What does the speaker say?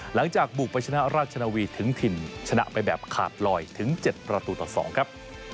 หลังจากบุกไปชนะราชนาวีถึงถิ่นชนะไปแบบขาดลอยถึง๗ประตูต่อ๒ครับ